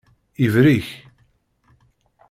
Ibrik.